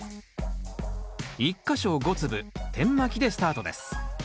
１か所５粒点まきでスタートです